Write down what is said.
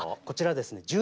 こちらですね